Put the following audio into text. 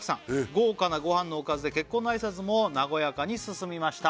「豪華なごはんのおかずで結婚の挨拶も和やかに進みました」